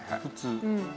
普通。